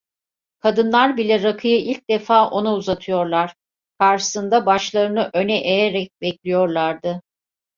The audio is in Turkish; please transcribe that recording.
Kadınlar bile rakıyı ilk defa ona uzatıyorlar, karşısında başlarını öne eğerek bekliyorlardı.